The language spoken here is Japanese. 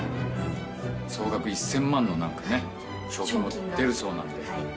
総額１０００万の、なんかね、賞金が出るそうなんで。